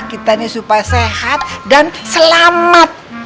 kita ini supaya sehat dan selamat